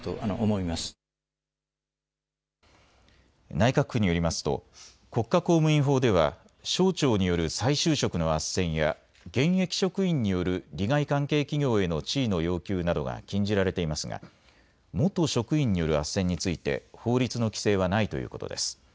内閣府によりますと国家公務員法では省庁による再就職の斡旋や現役職員による利害関係企業への地位の要求などが禁じられていますが元職員による斡旋について法律の規制はないということです。